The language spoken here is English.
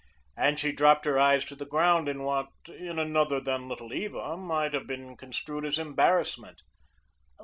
And she dropped her eyes to the ground in what, in another than Little Eva, might have been construed as embarrassment.